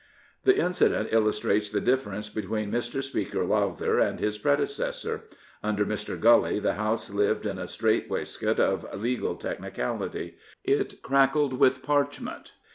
The incident illustrates the difference between Mr. Speaker Lowther and his predecessor. Under Mr. Gully the House lived in a strait waistcoat of legal technicality. It crackled with parchment.